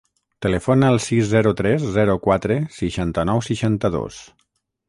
Telefona al sis, zero, tres, zero, quatre, seixanta-nou, seixanta-dos.